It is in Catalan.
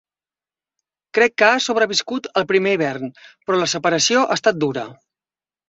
Crec que ha sobreviscut al primer hivern, però la separació ha estat dura.